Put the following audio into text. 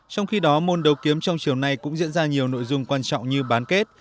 trong khi đó môn đầu kiếm trong chiều nay cũng diễn ra nhiều nội dung quan trọng như bán kết